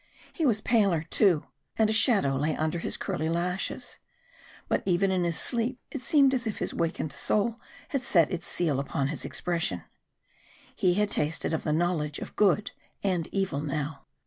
He was paler, too, and a shadow lay under his curly lashes. But even in his sleep it seemed as if his awakened soul had set its seal upon his expression he had tasted of the knowledge of good and evil now.